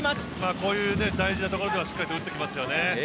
こういう大事なポイントではしっかりと打ってきますね。